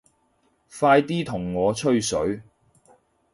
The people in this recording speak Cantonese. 快啲同我吹水